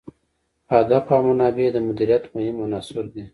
هدف او منابع د مدیریت مهم عناصر دي.